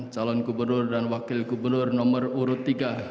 calon gubernur dan wakil gubernur nomor urut tiga